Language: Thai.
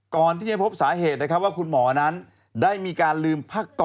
ก่อนที่ได้พบสาเหตุนะครับคุณหมอนั้นได้มีการลืมผ้าก๊อตเอาไว้นะครับ